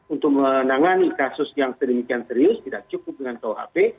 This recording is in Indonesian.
untuk menangani kasus yang sedemikian serius tidak cukup dengan kuhp